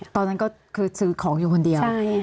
ตอนนั้นก็คือซื้อของอยู่คนเดียว